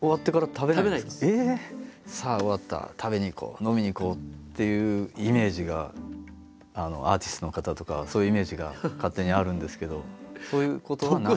飲みに行こう」っていうイメージがアーティストの方とかそういうイメージが勝手にあるんですけどそういうことは。